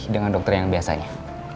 dengan dokter yang biasanya